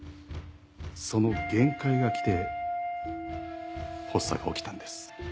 その限界が来て発作が起きたんです。